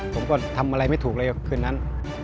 ผมก็ทำอะไรไม่ถูกเลยคืนนั้น